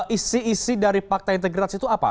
isi isi dari fakta integritas itu apa